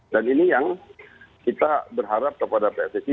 dan ini yang kita berharap kepada pssi